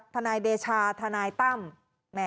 ทนายเดชาทนายตั้ม